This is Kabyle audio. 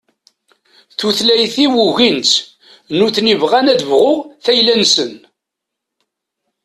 Tutlayt-iw ugin-tt, nutni bɣan ad bɣuɣ tayla-nsen.